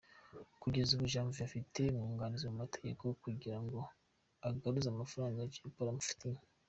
Kugeza ubu Janvier afite umwunganizi mu mategeko kugira ngo agaruze amafaranga Jay Polly amufitiye.